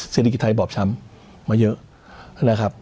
เศรษฐกิจไทยบอบช้ำมาเยอะ